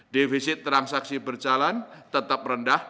defisit transaksi berjalan tetap rendah